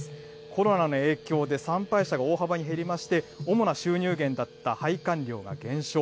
コロナの影響で参拝者が大幅に減りまして、主な収入源だった拝観料が減少。